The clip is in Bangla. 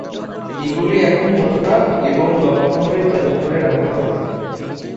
এগুলি এখন মথুরা এবং লখনউয়ের যাদুঘরে রাখা হয়েছে।